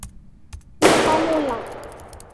ชุดข้อมูลหลัก